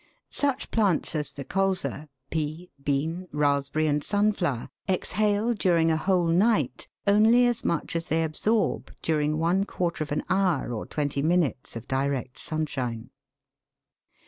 Such plants as the colza, pea, bean, raspberry, and sunflower, exhale during a whole night only as much as they absorb during one quarter of an hour or twenty minutes of direct sunshine.